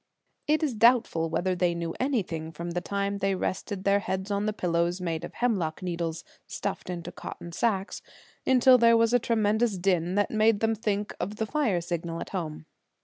It is doubtful whether they knew anything from the time they rested their heads on the pillows, made of hemlock needles stuffed into cotton sacks, until there was a tremendous din that made them think of the fire signal at home.